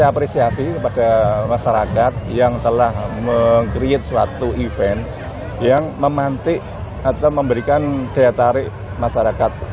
apresiasi kepada masyarakat yang telah meng create suatu event yang memantik atau memberikan daya tarik masyarakat